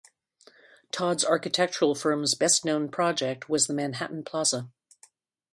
Todd's architectural firm's best known project was the Manhattan Plaza.